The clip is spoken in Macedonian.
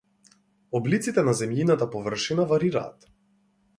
Облиците на земјината површина варираат.